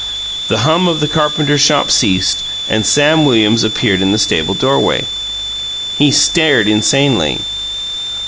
The hum of the carpenter shop ceased, and Sam Williams appeared in the stable doorway. He stared insanely.